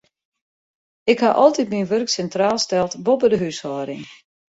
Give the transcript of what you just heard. Ik ha altyd myn wurk sintraal steld, boppe de húshâlding.